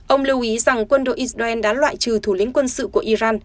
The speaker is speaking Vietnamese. ông lưu ý rằng quân đội israel đã loại trừ thủ lĩnh quân sự của iran